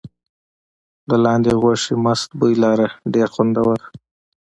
د لاندي غوښې مست بوی لاره ډېر خوندور.